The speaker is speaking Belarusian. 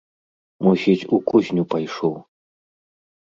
Мусіць, у кузню пайшоў.